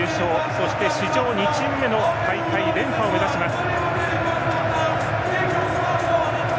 そして史上２チーム目の大会連覇を目指します。